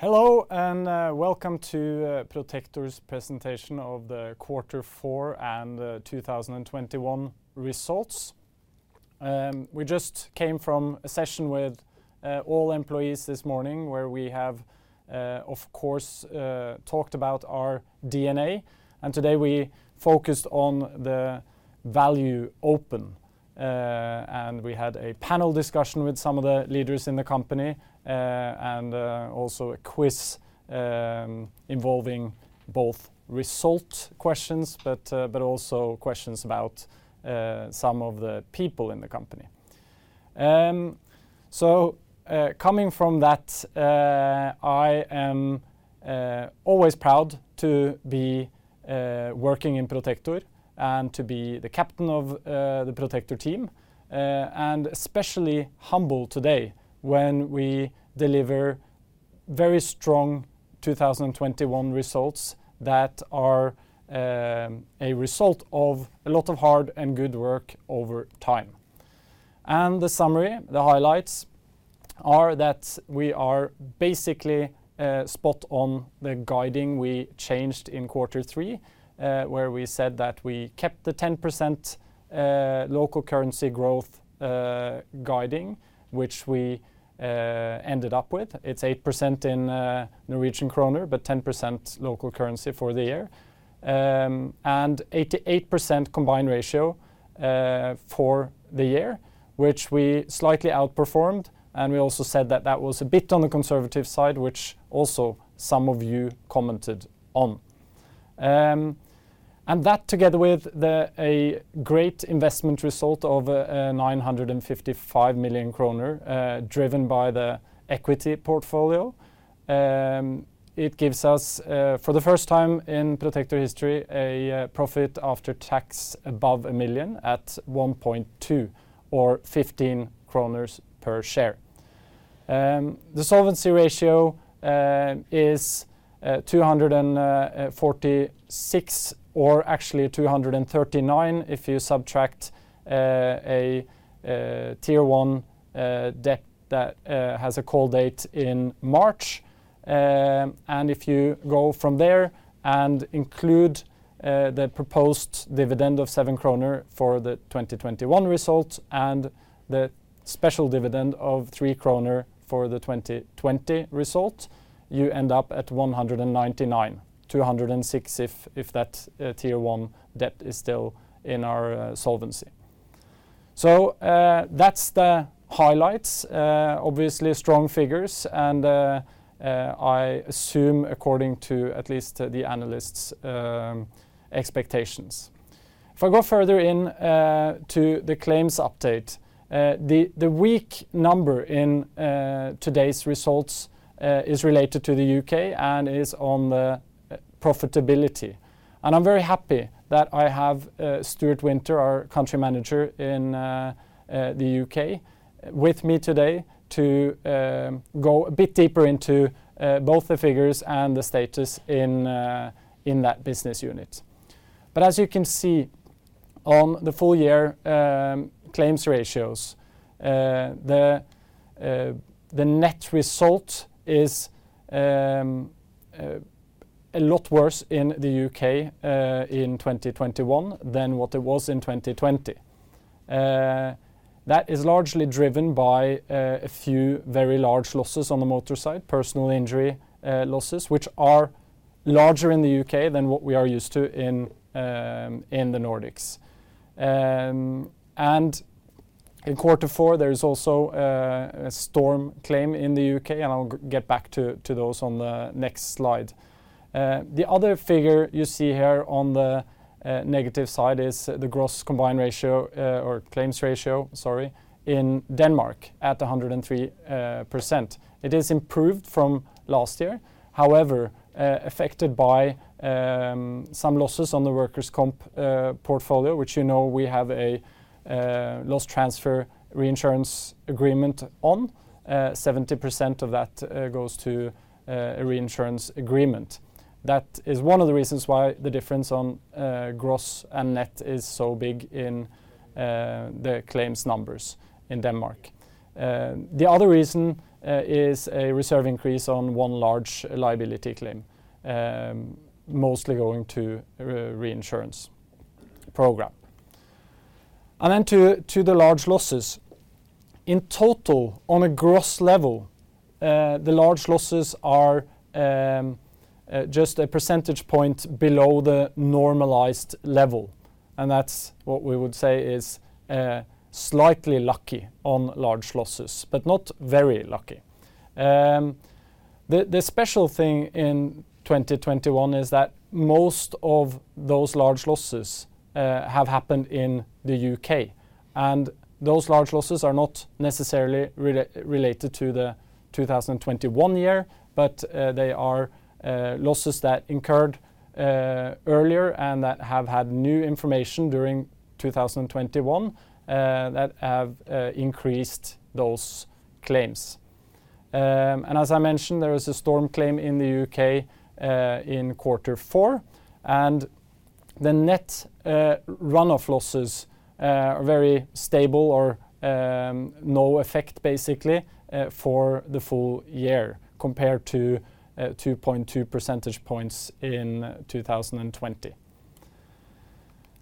Hello and welcome to Protector's presentation of the quarter four and 2021 results. We just came from a session with all employees this morning where we have of course talked about our DNA, and today we focused on the value open. We had a panel discussion with some of the leaders in the company and also a quiz involving both result questions, but also questions about some of the people in the company. Coming from that, I am always proud to be working in Protector and to be the captain of the Protector team and especially humble today when we deliver very strong 2021 results that are a result of a lot of hard and good work over time. The summary, the highlights are that we are basically spot on the guidance we changed in quarter three, where we said that we kept the 10% local currency growth guidance, which we ended up with. It's 8% in Norwegian kroner, but 10% local currency for the year. 88% combined ratio for the year, which we slightly outperformed, and we also said that that was a bit on the conservative side, which also some of you commented on. That together with a great investment result of 955 million kroner, driven by the equity portfolio, gives us for the first time in Protector history a profit after tax above a billion at 1.2 billion or 15 kroner per share. The solvency ratio is 246% or actually 239% if you subtract a Tier 1 debt that has a call date in March. If you go from there and include the proposed dividend of 7 kroner for the 2021 results and the special dividend of 3 kroner for the 2020 result, you end up at 199%, 206% if that Tier 1 debt is still in our solvency. That's the highlights, obviously strong figures and I assume according to at least the analysts' expectations. If I go further in to the claims update, the weak number in today's results is related to the U.K. and is on the profitability. I'm very happy that I have Stuart Winter, our country manager in the U.K., with me today to go a bit deeper into both the figures and the status in that business unit. As you can see on the full year claims ratios, the net result is a lot worse in the U.K. in 2021 than what it was in 2020. That is largely driven by a few very large losses on the motor side, personal injury losses, which are larger in the U.K. than what we are used to in the Nordics. In quarter four, there is also a storm claim in the U.K., and I'll get back to those on the next slide. The other figure you see here on the negative side is the gross combined ratio, or claims ratio, sorry, in Denmark at 103%. It is improved from last year, however, affected by some losses on the workers' comp portfolio, which, you know, we have a loss transfer reinsurance agreement on 70% of that goes to a reinsurance agreement. That is one of the reasons why the difference on gross and net is so big in the claims numbers in Denmark. The other reason is a reserve increase on one large liability claim, mostly going to a reinsurance program. To the large losses. In total, on a gross level, the large losses are just a percentage point below the normalized level, and that's what we would say is slightly lucky on large losses, but not very lucky. The special thing in 2021 is that most of those large losses have happened in the U.K., and those large losses are not necessarily related to the 2021 year, but they are losses that incurred earlier and that have had new information during 2021 that have increased those claims. As I mentioned, there is a storm claim in the U.K. in quarter four. The net run-off losses are very stable or no effect basically for the full year compared to 2.2 percentage points in 2020.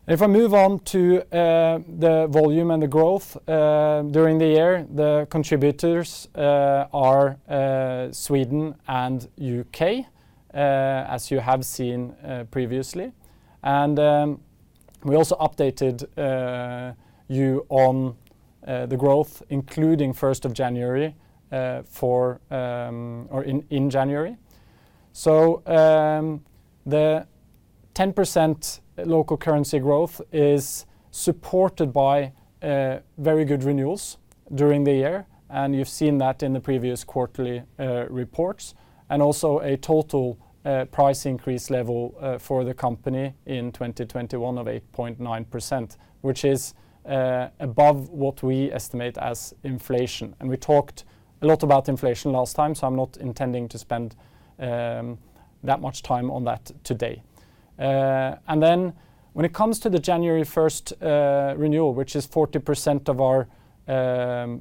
If I move on to the volume and the growth during the year, the contributors are Sweden and U.K., as you have seen previously. We also updated you on the growth including first of January or in January. The 10% local currency growth is supported by very good renewals during the year, and you've seen that in the previous quarterly reports. Also a total price increase level for the company in 2021 of 8.9%, which is above what we estimate as inflation. We talked a lot about inflation last time, so I'm not intending to spend that much time on that today. When it comes to the January 1 renewal, which is 40% of our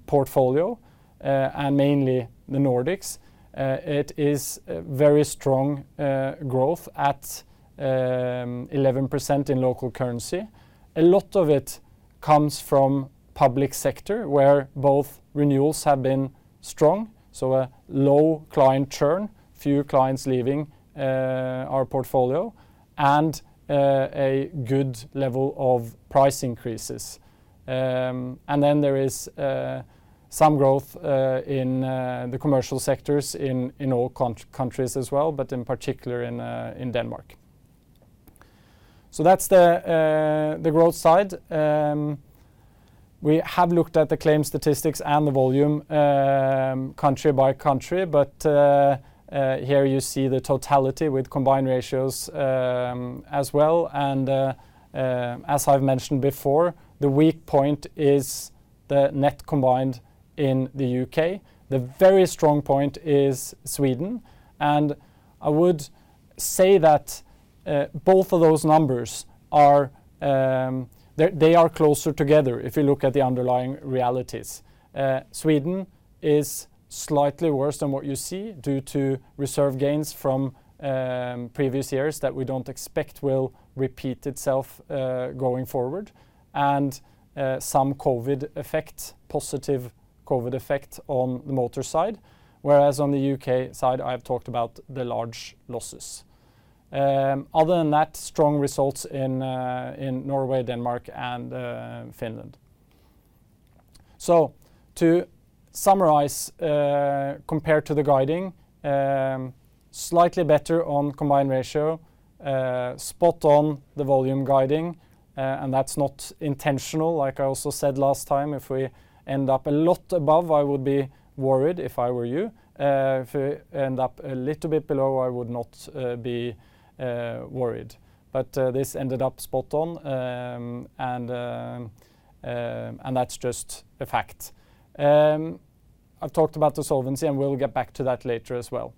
portfolio, and mainly the Nordics, it is a very strong growth at 11% in local currency. A lot of it comes from public sector, where both renewals have been strong, so a low client churn, few clients leaving our portfolio, and a good level of price increases. There is some growth in the commercial sectors in all countries as well, but in particular in Denmark. That's the growth side. We have looked at the claim statistics and the volume country by country. Here you see the totality with combined ratios as well. As I've mentioned before, the weak point is the net combined in the U.K. The very strong point is Sweden. I would say that both of those numbers are closer together if you look at the underlying realities. Sweden is slightly worse than what you see due to reserve gains from previous years that we don't expect will repeat itself going forward, and some positive COVID effect on the motor side, whereas on the U.K. side, I have talked about the large losses. Other than that, strong results in Norway, Denmark, and Finland. To summarize, compared to the guiding, slightly better on combined ratio, spot on the volume guiding, and that's not intentional. Like I also said last time, if we end up a lot above, I would be worried if I were you. If we end up a little bit below, I would not be worried. This ended up spot on, and that's just a fact. I've talked about the solvency, and we'll get back to that later as well.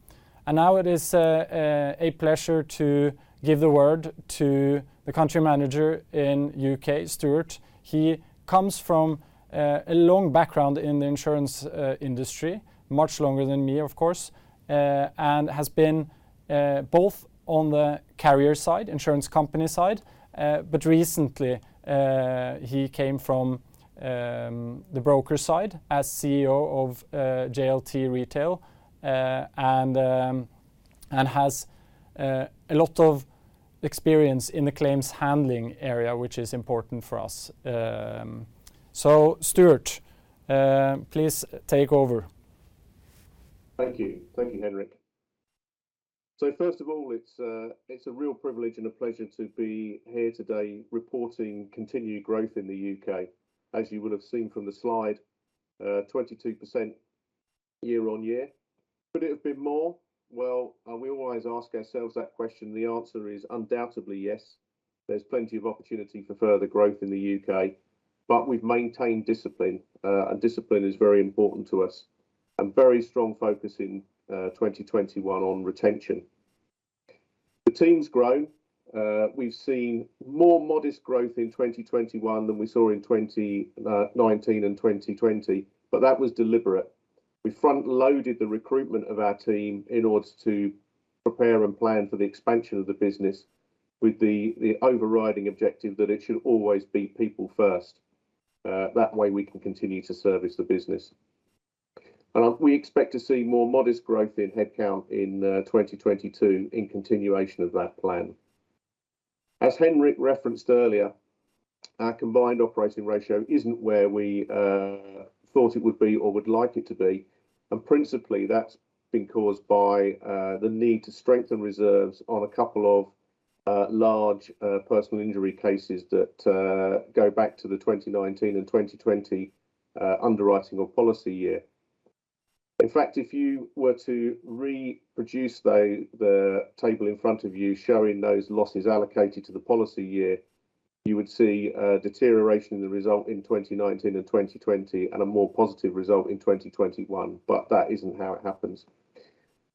Now it is a pleasure to give the word to the Country Manager in the U.K., Stuart. He comes from a long background in the insurance industry, much longer than me, of course, and has been both on the carrier side, insurance company side, but recently he came from the broker side as CEO of JLT Retail, and has a lot of experience in the claims handling area, which is important for us. Stuart, please take over. Thank you. Thank you, Henrik. First of all, it's a real privilege and a pleasure to be here today reporting continued growth in the U.K. As you would have seen from the slide, 22% year-on-year. Could it have been more? Well, we always ask ourselves that question. The answer is undoubtedly yes. There's plenty of opportunity for further growth in the U.K., but we've maintained discipline, and discipline is very important to us and very strong focus in 2021 on retention. The team's grown. We've seen more modest growth in 2021 than we saw in 2019 and 2020, but that was deliberate. We front-loaded the recruitment of our team in order to prepare and plan for the expansion of the business with the overriding objective that it should always be people first. That way, we can continue to service the business. We expect to see more modest growth in headcount in 2022 in continuation of that plan. As Henrik referenced earlier, our combined operating ratio isn't where we thought it would be or would like it to be, and principally that's been caused by the need to strengthen reserves on a couple of large personal injury cases that go back to the 2019 and 2020 underwriting or policy year. In fact, if you were to reproduce the table in front of you showing those losses allocated to the policy year, you would see deterioration in the result in 2019 and 2020, and a more positive result in 2021, but that isn't how it happened.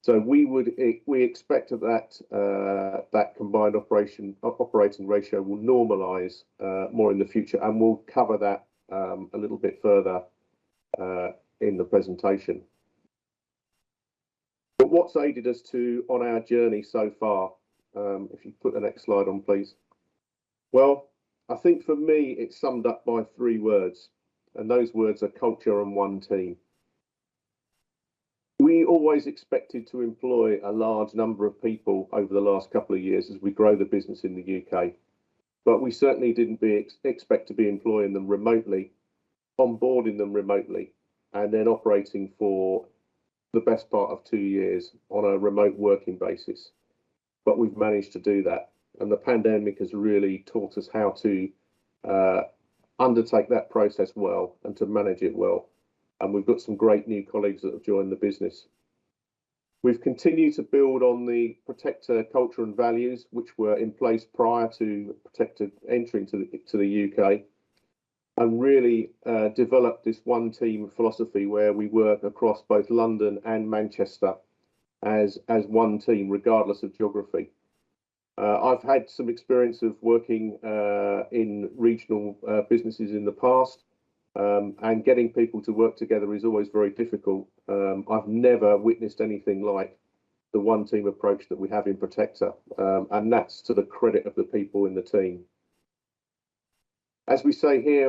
We expect that combined operating ratio will normalize more in the future, and we'll cover that a little bit further in the presentation. What's aided us along on our journey so far? If you put the next slide on, please. Well, I think for me, it's summed up by three words, and those words are culture and one team. We always expected to employ a large number of people over the last couple of years as we grow the business in the U.K. We certainly didn't expect to be employing them remotely, onboarding them remotely, and then operating for the best part of two years on a remote working basis. We've managed to do that, and the pandemic has really taught us how to undertake that process well and to manage it well. We've got some great new colleagues that have joined the business. We've continued to build on the Protector culture and values, which were in place prior to Protector entering the U.K., and really developed this one team philosophy where we work across both London and Manchester as one team, regardless of geography. I've had some experience of working in regional businesses in the past, and getting people to work together is always very difficult. I've never witnessed anything like the one team approach that we have in Protector. That's to the credit of the people in the team. As we say here,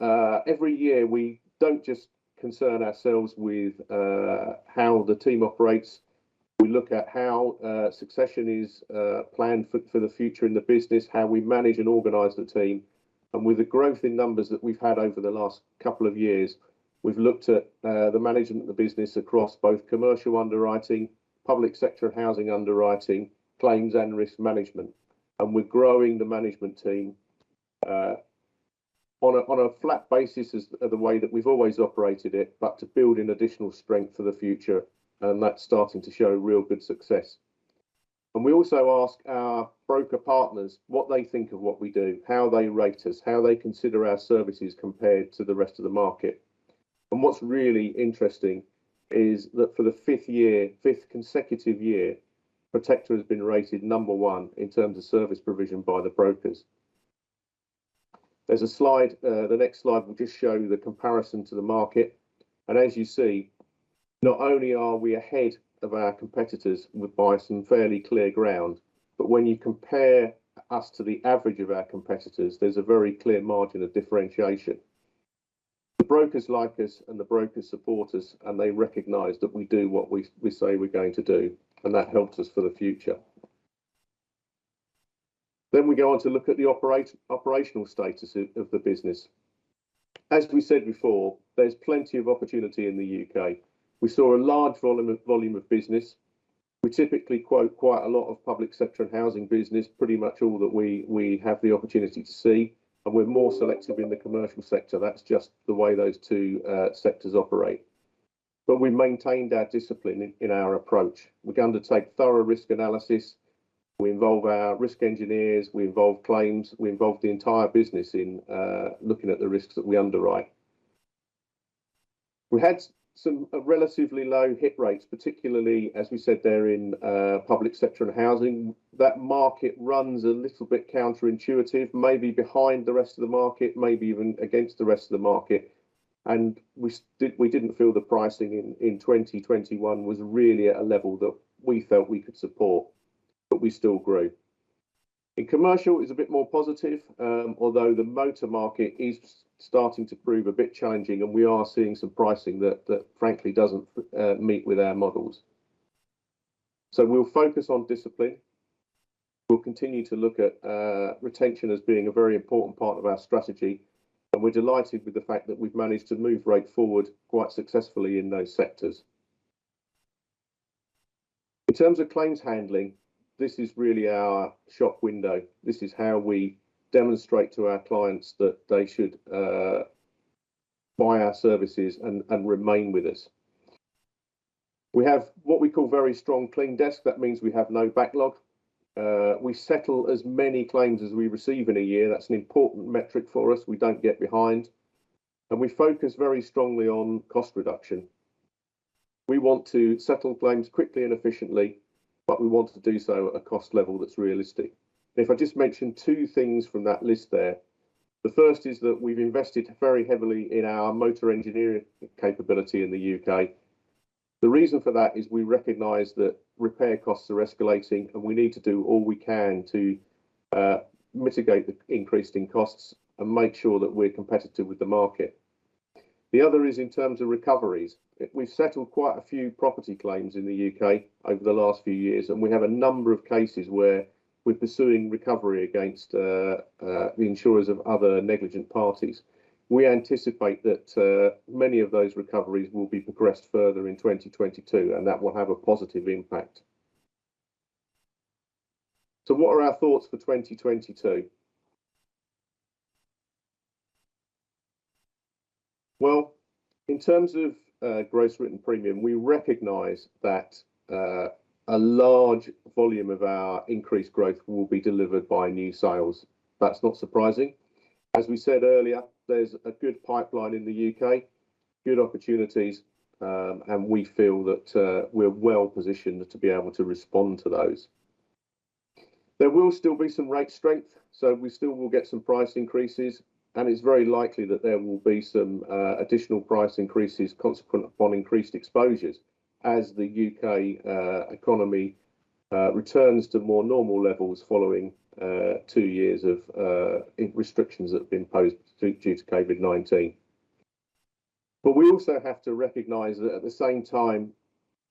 every year we don't just concern ourselves with how the team operates. We look at how succession is planned for the future in the business, how we manage and organize the team. With the growth in numbers that we've had over the last couple of years, we've looked at the management of the business across both commercial underwriting, public sector and housing underwriting, claims and risk management. We're growing the management team on a flat basis is the way that we've always operated it, but to build in additional strength for the future, and that's starting to show real good success. We also ask our broker partners what they think of what we do, how they rate us, how they consider our services compared to the rest of the market. What's really interesting is that for the fifth consecutive year, Protector has been rated number one in terms of service provision by the brokers. There's a slide, the next slide will just show you the comparison to the market. As you see, not only are we ahead of our competitors by some fairly clear ground, but when you compare us to the average of our competitors, there's a very clear margin of differentiation. The brokers like us and the brokers support us, and they recognize that we do what we say we're going to do, and that helps us for the future. We go on to look at the operational status of the business. As we said before, there's plenty of opportunity in the U.K. We saw a large volume of business. We typically quote quite a lot of public sector and housing business, pretty much all that we have the opportunity to see. We're more selective in the commercial sector. That's just the way those two sectors operate. We maintained our discipline in our approach. We undertake thorough risk analysis. We involve our risk engineers, we involve claims, we involve the entire business in looking at the risks that we underwrite. We had some relatively low hit rates, particularly, as we said there, in public sector and housing. That market runs a little bit counterintuitive, maybe behind the rest of the market, maybe even against the rest of the market. We didn't feel the pricing in 2021 was really at a level that we felt we could support, but we still grew. In commercial, it's a bit more positive, although the motor market is starting to prove a bit challenging, and we are seeing some pricing that frankly doesn't meet with our models. We'll focus on discipline. We'll continue to look at retention as being a very important part of our strategy, and we're delighted with the fact that we've managed to move right forward quite successfully in those sectors. In terms of claims handling, this is really our shop window. This is how we demonstrate to our clients that they should buy our services and remain with us. We have what we call very strong clean desk. That means we have no backlog. We settle as many claims as we receive in a year. That's an important metric for us. We don't get behind. We focus very strongly on cost reduction. We want to settle claims quickly and efficiently, but we want to do so at a cost level that's realistic. If I just mention two things from that list there, the first is that we've invested very heavily in our motor engineering capability in the U.K. The reason for that is we recognize that repair costs are escalating, and we need to do all we can to mitigate the increase in costs and make sure that we're competitive with the market. The other is in terms of recoveries. We've settled quite a few property claims in the U.K. over the last few years, and we have a number of cases where we're pursuing recovery against the insurers of other negligent parties. We anticipate that many of those recoveries will be progressed further in 2022, and that will have a positive impact. What are our thoughts for 2022? In terms of gross written premium, we recognize that a large volume of our increased growth will be delivered by new sales. That's not surprising. As we said earlier, there's a good pipeline in the U.K., good opportunities, and we feel that we're well-positioned to be able to respond to those. There will still be some rate strength, so we still will get some price increases, and it's very likely that there will be some additional price increases consequent upon increased exposures as the U.K. economy returns to more normal levels following two years of restrictions that have been posed due to COVID-19. We also have to recognize that at the same time,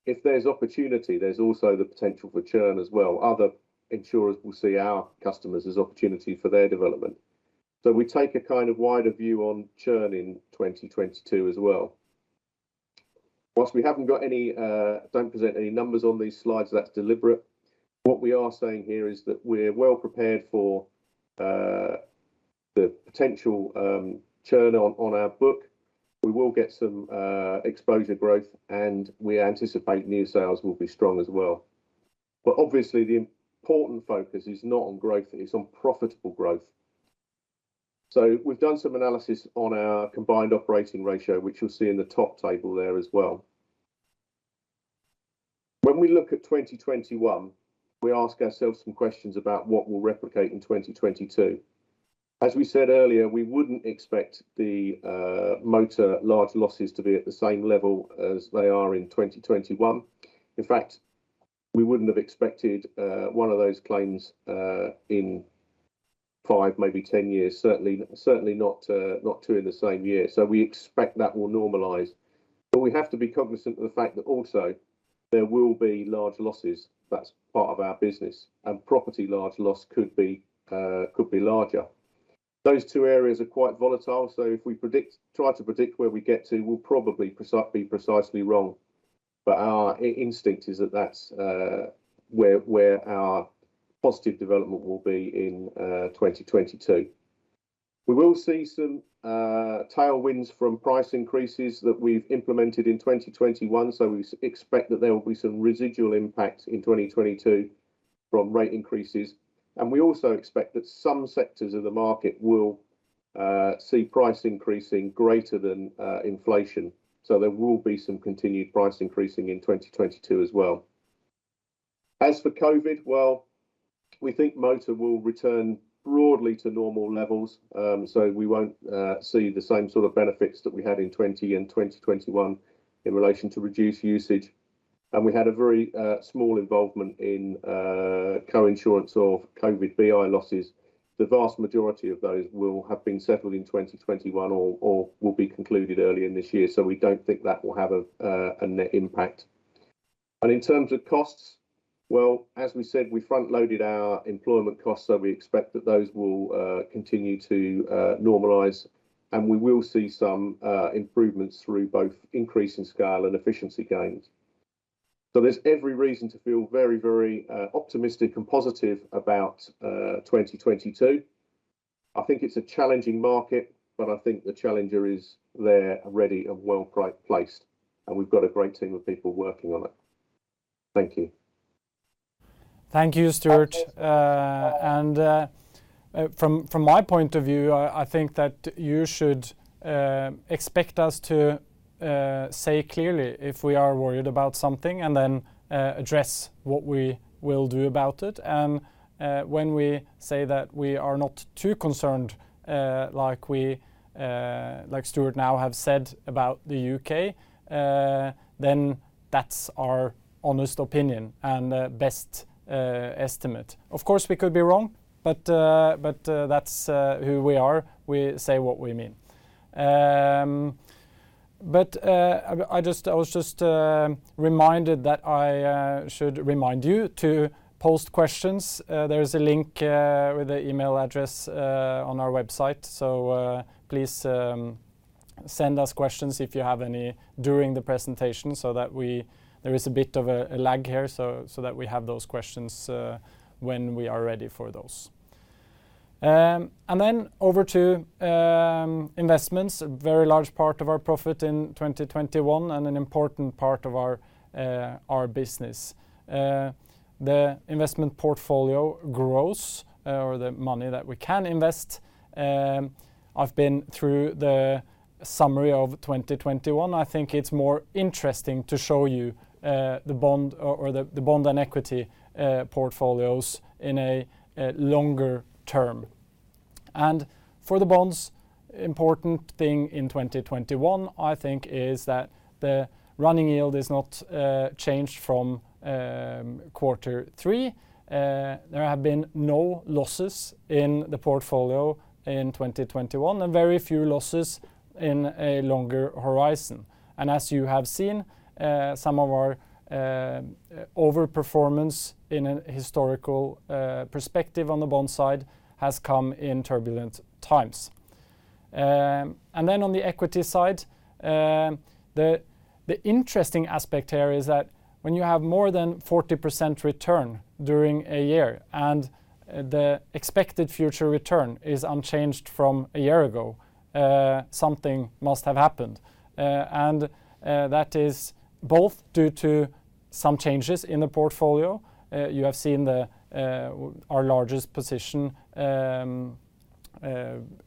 if there's opportunity, there's also the potential for churn as well. Other insurers will see our customers as opportunity for their development. We take a kind of wider view on churn in 2022 as well. While we haven't got any, don't present any numbers on these slides, that's deliberate. What we are saying here is that we're well prepared for the potential churn on our book. We will get some exposure growth, and we anticipate new sales will be strong as well. Obviously, the important focus is not on growth, it is on profitable growth. We've done some analysis on our combined operating ratio, which you'll see in the top table there as well. When we look at 2021, we ask ourselves some questions about what we'll replicate in 2022. As we said earlier, we wouldn't expect the motor large losses to be at the same level as they are in 2021. In fact, we wouldn't have expected one of those claims in 5, maybe 10 years, certainly not 2 in the same year. We expect that will normalize. But we have to be cognizant of the fact that also there will be large losses. That's part of our business, and property large loss could be larger. Those two areas are quite volatile, so if we try to predict where we get to, we'll probably be precisely wrong. But our instinct is that that's where our positive development will be in 2022. We will see some tailwinds from price increases that we've implemented in 2021, so we expect that there will be some residual impact in 2022 from rate increases, and we also expect that some sectors of the market will see price increasing greater than inflation. There will be some continued price increasing in 2022 as well. As for COVID, well, we think motor will return broadly to normal levels, so we won't see the same sort of benefits that we had in 2020 and 2021 in relation to reduced usage. We had a very small involvement in co-insurance of COVID BI losses. The vast majority of those will have been settled in 2021 or will be concluded earlier in this year, so we don't think that will have a net impact. In terms of costs, well, as we said, we front-loaded our employment costs, so we expect that those will continue to normalize, and we will see some improvements through both increase in scale and efficiency gains. There's every reason to feel very optimistic and positive about 2022. I think it's a challenging market, but I think the challenger is there and ready and well placed, and we've got a great team of people working on it. Thank you. Thank you, Stuart. From my point of view, I think that you should expect us to say clearly if we are worried about something and then address what we will do about it. When we say that we are not too concerned, like Stuart now have said about the U.K., then that's our honest opinion and best estimate. Of course, we could be wrong, but that's who we are. We say what we mean. I was just reminded that I should remind you to post questions. There is a link with the email address on our website. Please send us questions if you have any during the presentation so that we have those questions when we are ready for those. There is a bit of a lag here. Over to investments, a very large part of our profit in 2021 and an important part of our business. The investment portfolio grows or the money that we can invest. I've been through the summary of 2021. I think it's more interesting to show you the bond and equity portfolios in a longer term. For the bonds, important thing in 2021, I think, is that the running yield is not changed from quarter three. There have been no losses in the portfolio in 2021 and very few losses in a longer horizon. As you have seen, some of our overperformance in a historical perspective on the bond side has come in turbulent times. On the equity side, the interesting aspect here is that when you have more than 40% return during a year and the expected future return is unchanged from a year ago, something must have happened. That is both due to some changes in the portfolio. You have seen our largest position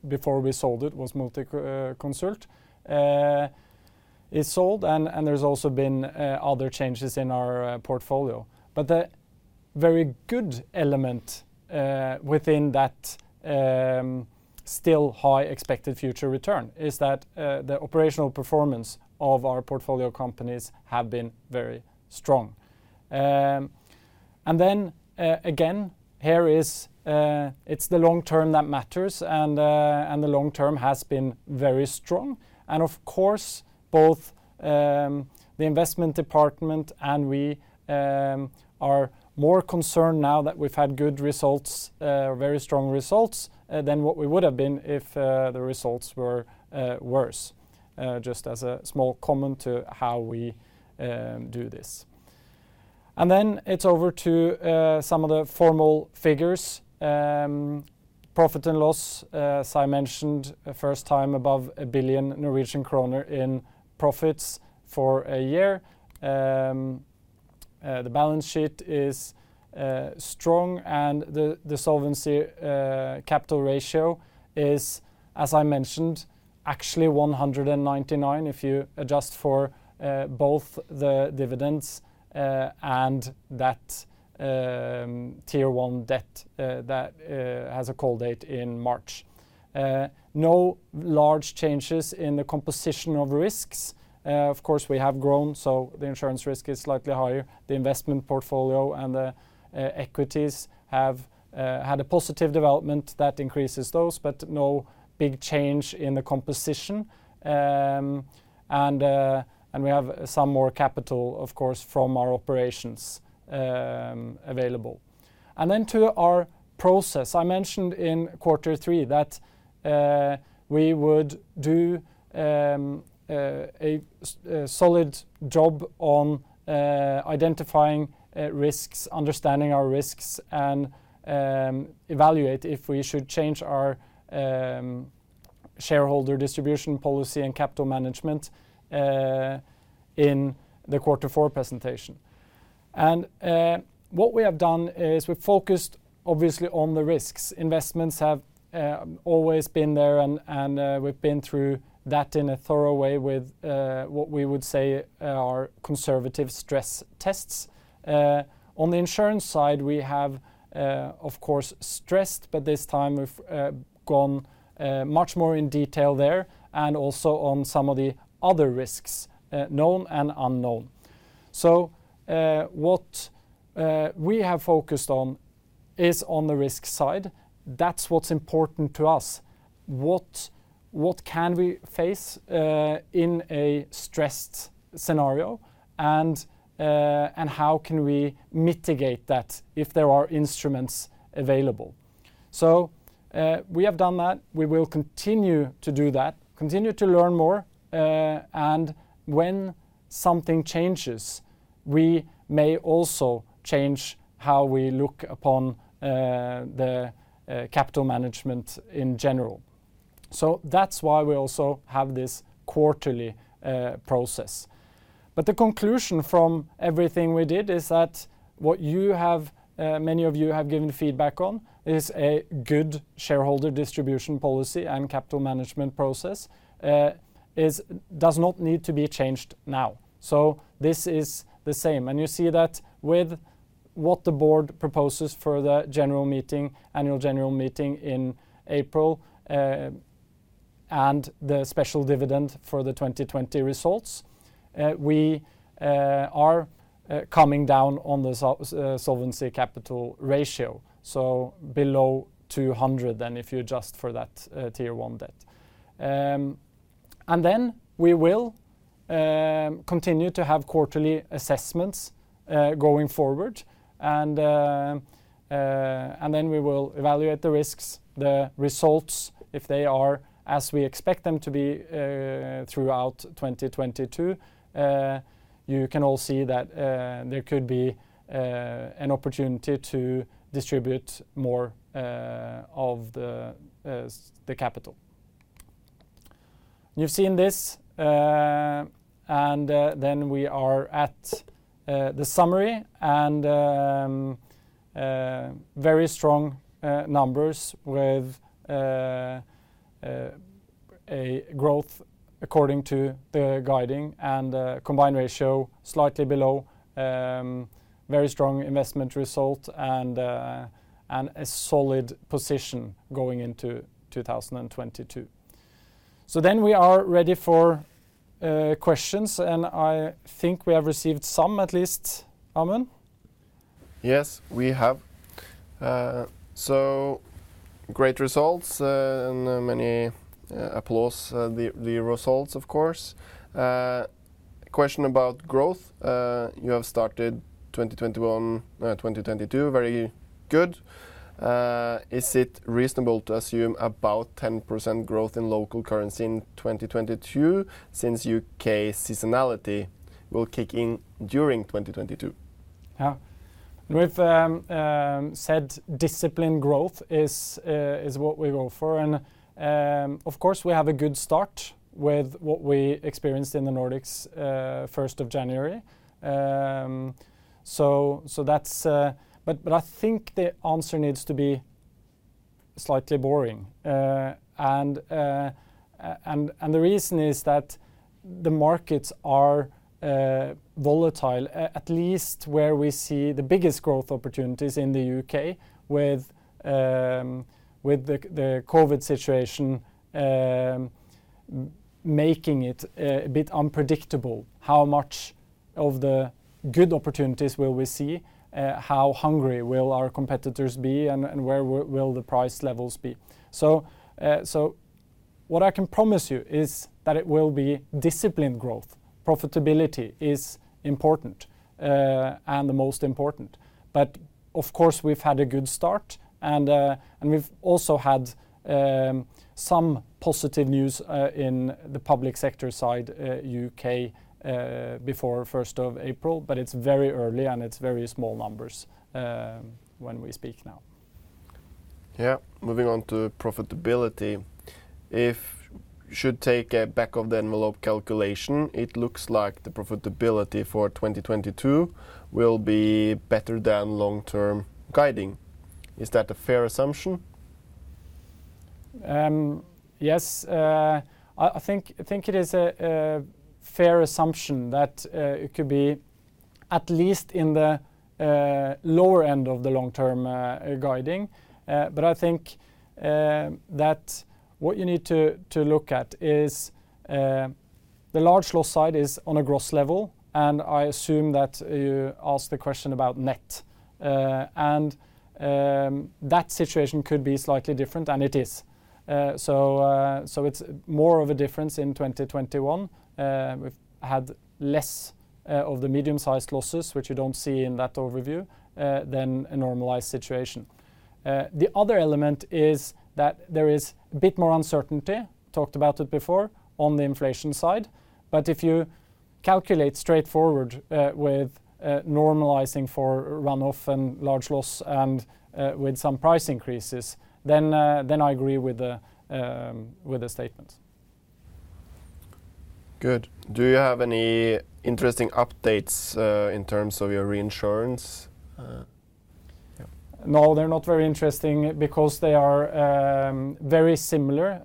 before we sold it was Multiconsult. It's sold, and there's also been other changes in our portfolio. The very good element within that still high expected future return is that the operational performance of our portfolio companies have been very strong. Then again here it's the long term that matters and the long term has been very strong. Of course both the investment department and we are more concerned now that we've had good results very strong results than what we would have been if the results were worse just as a small comment to how we do this. Then it's over to some of the formal figures. Profit and loss as I mentioned first time above 1 billion Norwegian kroner in profits for a year. The balance sheet is strong, and the solvency capital ratio is, as I mentioned, actually 199% if you adjust for both the dividends and that Tier 1 debt that has a call date in March. No large changes in the composition of risks. Of course, we have grown, so the insurance risk is slightly higher. The investment portfolio and the equities have had a positive development that increases those, but no big change in the composition. We have some more capital, of course, from our operations, available. To our process, I mentioned in quarter three that we would do a solid job on identifying risks, understanding our risks, and evaluate if we should change our shareholder distribution policy and capital management in the quarter four presentation. What we have done is we've focused obviously on the risks. Investments have always been there and we've been through that in a thorough way with what we would say are conservative stress tests. On the insurance side, we have of course stressed, but this time we've gone much more in detail there and also on some of the other risks, known and unknown. What we have focused on is on the risk side. That's what's important to us. What can we face in a stressed scenario, and how can we mitigate that if there are instruments available? We have done that. We will continue to do that, continue to learn more, and when something changes, we may also change how we look upon the capital management in general. That's why we also have this quarterly process. The conclusion from everything we did is that what you have, many of you have given feedback on is a good shareholder distribution policy and capital management process does not need to be changed now. This is the same. You see that with what the board proposes for the general meeting, annual general meeting in April, and the special dividend for the 2020 results, we are coming down on the solvency capital ratio, so below 200% then if you adjust for that, Tier 1 debt. We will continue to have quarterly assessments going forward and then we will evaluate the risks, the results, if they are as we expect them to be throughout 2022. You can all see that there could be an opportunity to distribute more of the capital. You've seen this and then we are at the summary and very strong numbers with a growth according to the guidance and combined ratio slightly below very strong investment result and a solid position going into 2022. We are ready for questions, and I think we have received some at least, Amund. Yes, we have. Great results, and many applause, the results of course. A question about growth. You have started 2021, 2022 very good. Is it reasonable to assume about 10% growth in local currency in 2022 since U.K. seasonality will kick in during 2022? Yeah. We've said disciplined growth is what we go for and, of course, we have a good start with what we experienced in the Nordics, 1st of January. That's. I think the answer needs to be slightly boring. The reason is that the markets are volatile, at least where we see the biggest growth opportunities in the U.K. with the COVID situation making it a bit unpredictable, how much of the good opportunities will we see, how hungry will our competitors be, and where the price levels will be. What I can promise you is that it will be disciplined growth. Profitability is important, and the most important. Of course, we've had a good start, and we've also had some positive news in the public sector side, U.K., before 1st of April, but it's very early, and it's very small numbers when we speak now. Yeah. Moving on to profitability. If we should take a back-of-the-envelope calculation, it looks like the profitability for 2022 will be better than long-term guidance. Is that a fair assumption? Yes. I think it is a fair assumption that it could be at least in the lower end of the long-term guidance. I think that what you need to look at is the large loss side is on a gross level, and I assume that you ask the question about net. That situation could be slightly different than it is. It's more of a difference in 2021. We've had less of the medium-sized losses, which you don't see in that overview, than a normalized situation. The other element is that there is a bit more uncertainty, talked about it before, on the inflation side. If you calculate straightforward with normalizing for runoff and large loss and with some price increases, then I agree with the statement. Good. Do you have any interesting updates in terms of your reinsurance? Yeah. No, they're not very interesting because they are very similar.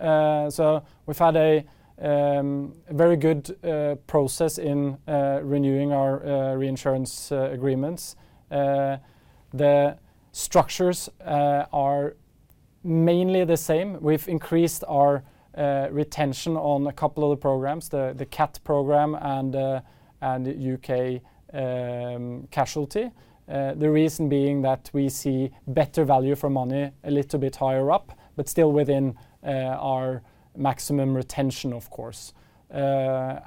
We've had a very good process in renewing our reinsurance agreements. The structures are mainly the same. We've increased our retention on a couple of the programs, the catastrophe program and U.K. casualty. The reason being that we see better value for money a little bit higher up, but still within our maximum retention, of course. The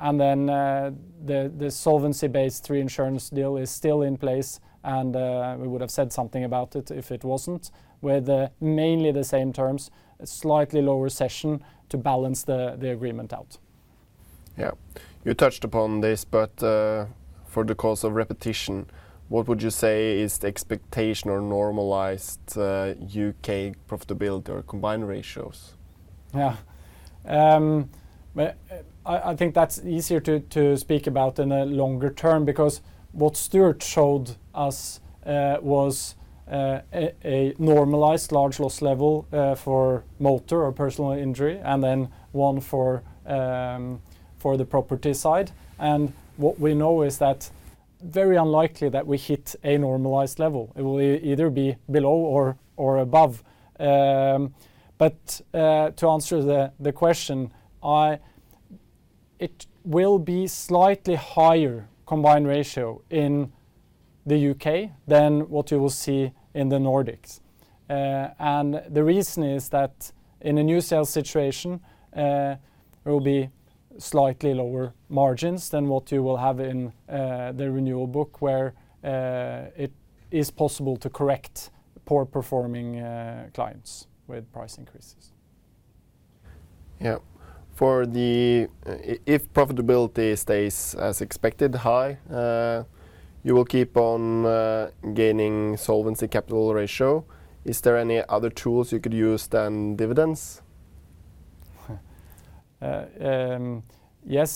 solvency based reinsurance deal is still in place, and we would have said something about it if it wasn't, with mainly the same terms, slightly lower cession to balance the agreement out. Yeah. You touched upon this, but for the sake of repetition, what would you say is the expectation or normalized U.K. profitability or combined ratios? Yeah. I think that's easier to speak about in a longer term because what Stuart showed us was a normalized large loss level for motor or personal injury and then one for the property side. What we know is that very unlikely that we hit a normalized level. It will either be below or above. To answer the question, it will be slightly higher combined ratio in the U.K. than what you will see in the Nordics. The reason is that in a new sales situation, it will be slightly lower margins than what you will have in the renewal book where it is possible to correct poor performing clients with price increases. Yeah. If profitability stays as expected high, you will keep on gaining solvency capital ratio. Is there any other tools you could use than dividends? Yes.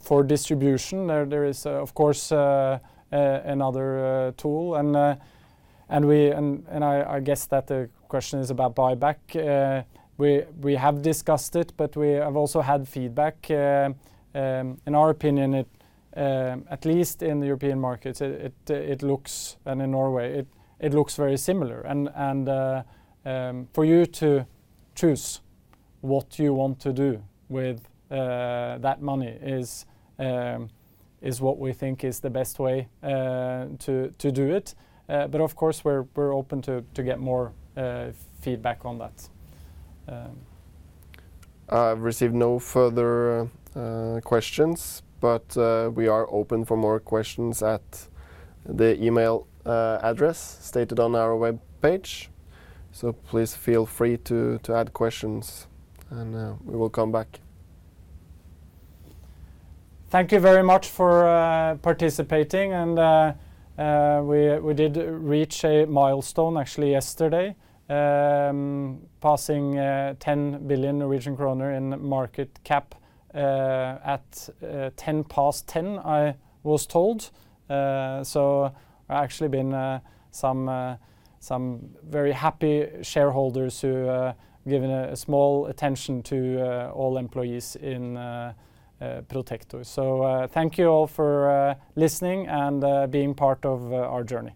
For distribution, there is, of course, another tool and I guess that the question is about buyback. We have discussed it, but we have also had feedback. In our opinion, at least in the European markets, it looks, and in Norway, it looks very similar. For you to choose what you want to do with that money is what we think is the best way to do it. Of course, we're open to get more feedback on that. I've received no further questions, but we are open for more questions at the email address stated on our webpage. Please feel free to add questions, and we will come back. Thank you very much for participating, and we did reach a milestone actually yesterday, passing 10 billion Norwegian kroner in market cap at 10:10 A.M., I was told. Actually, there have been some very happy shareholders who have given a small addition to all employees in Protector. Thank you all for listening and being part of our journey.